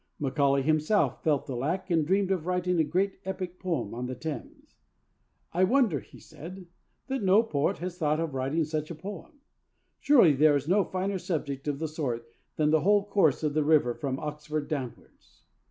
Macaulay himself felt the lack, and dreamed of writing a great epic poem on the Thames. 'I wonder,' he said, 'that no poet has thought of writing such a poem. Surely there is no finer subject of the sort than the whole course of the river from Oxford downwards.'